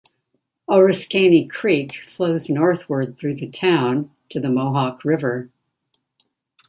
Oriskany Creek flows northward through the town to the Mohawk River.